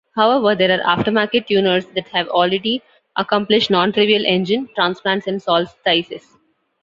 However, there are aftermarket tuners that have already accomplished non-trivial engine transplants in Solstices.